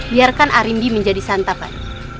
biarkan arimbi menjadi santapan